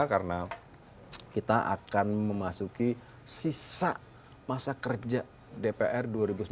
karena kita akan memasuki sisa masa kerja dpr dua ribu sembilan belas dua ribu dua puluh empat